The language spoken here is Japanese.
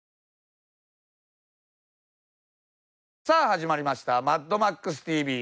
さあ始まりました『マッドマックスＴＶ』。